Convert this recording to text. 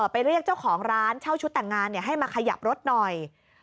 เรียกเจ้าของร้านเช่าชุดแต่งงานให้มาขยับรถหน่อย